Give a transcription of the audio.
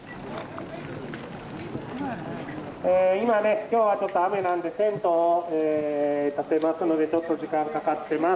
今ね今日はちょっと雨なんでテントを立てますのでちょっと時間かかってます。